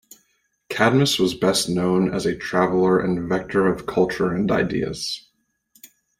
Cadmus was best known as a traveller and vector of culture and ideas.